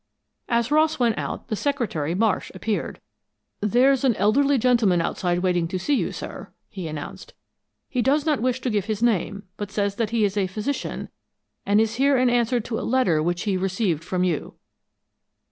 As Ross went out, the secretary, Marsh, appeared. "There's an elderly gentleman outside waiting to see you, sir," he announced. "He does not wish to give his name, but says that he is a physician, and is here in answer to a letter which he received from you."